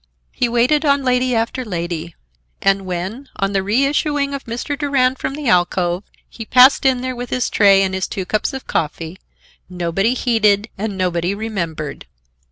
He waited on lady after lady, and when, on the reissuing of Mr. Durand from the alcove, he passed in there with his tray and his two cups of coffee, nobody heeded and nobody remembered.